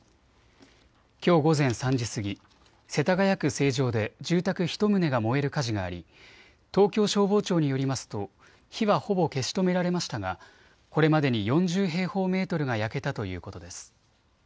きょう午前３時過ぎ世田谷区成城で住宅１棟が燃える火事があり東京消防庁によりますと火はほぼ消し止められましたがこれまでに４０平方メートルが焼けたということです。